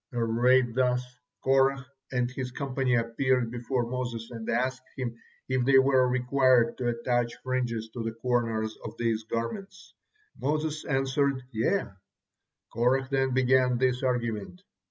Arrayed thus, Korah and his company appeared before Moses and asked him if they were required to attach fringes to the corners of these garments. Moses answered, "Yea." Korah then began this argument.